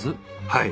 はい。